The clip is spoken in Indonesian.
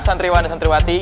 baik untuk sekarang